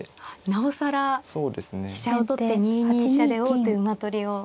なおさら飛車を取って２二飛車で王手馬取りを。